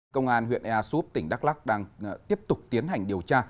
công an huyện ea súp tỉnh đắk lắc đang tiếp tục tiến hành điều tra